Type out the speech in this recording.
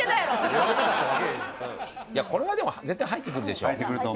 これはでも絶対入ってくるでしょ。